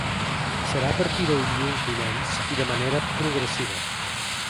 Serà a partir de dilluns vinents i de manera progressiva.